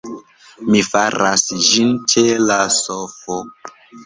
Mi faras ĝin ĉe la sofo